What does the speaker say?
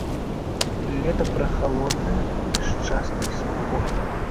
Лета прахалоднае, з частай смугой.